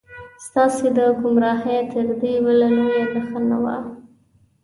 ستاسې د ګمراهۍ تر دې بله لویه نښه نه وي.